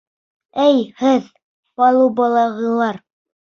— Эй, һеҙ, палубалағылар!